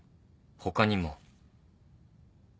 他にも。